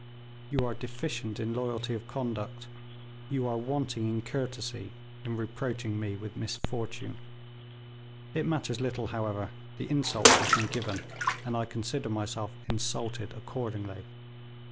You are deficient in loyalty of conduct; you are wanting in courtesy, in reproaching me with misfortune. It matters little, however, the insult has been given, and I consider myself insulted accordingly.